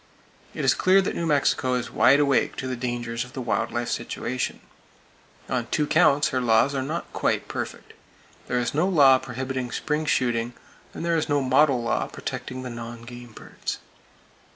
It is clear that New Mexico is wide awake to the dangers of the wild life situation. On two counts, her laws are not quite perfect. There is no law prohibiting spring shooting, [Page 290] and there is no "model law" protecting the non game birds.